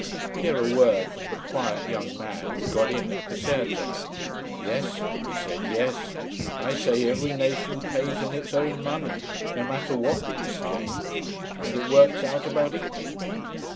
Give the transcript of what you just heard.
Here a word from the quiet young man who had got in at Caserta. "Yes," he said, "yes. I say, every nation pays in its own money, no matter what the exchange. And it works out about equal."